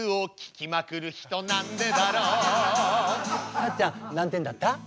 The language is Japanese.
さっちゃん何点だった？